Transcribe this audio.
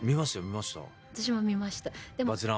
私も見ました。